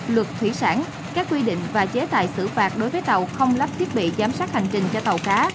luật thủy sản các quy định và chế tài xử phạt đối với tàu không lắp thiết bị giám sát hành trình cho tàu cá